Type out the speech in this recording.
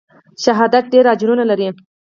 شهادت ډېر اجرونه لري.